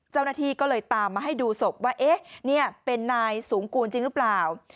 เจ้าหน้าที่ก็เลยตามมาให้ดูศพว่าเอ๊ะนี่เป็นนายสูงกูลจริงหรือเปล่า